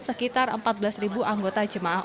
sekitar empat belas anggota jemaah